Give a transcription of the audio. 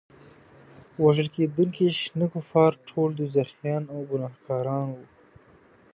وژل کېدونکي شنه کفار ټول دوزخیان او ګناهګاران وو.